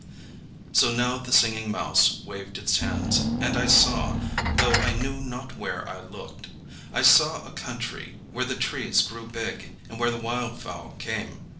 So now the Singing Mouse waved its hands, and I saw, though I knew not where I looked. I saw a country where the trees grew big and where the wild fowl came.